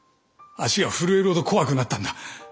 足が震えるほど怖くなったんだ。